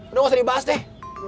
aduh gak usah dibahas deh